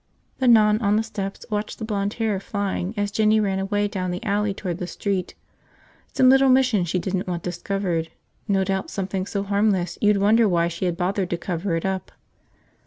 The nun, on the steps, watched the blond hair flying as Jinny ran away down the alley toward the street. Some little mission she didn't want discovered, no doubt something so harmless you'd wonder why she had bothered to cover it up.